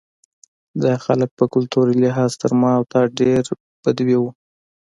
دا خلک په کلتوري لحاظ تر ما او تا ډېر بدوي وو.